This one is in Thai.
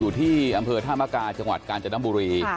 อยู่ที่อำเภอธามกาจังหวัดกาญจนบุรี